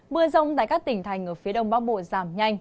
mưa rông tại các tỉnh thành ở phía đông bắc bộ giảm nhanh